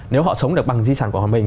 nếu họ sống được bằng di sản của hòa mình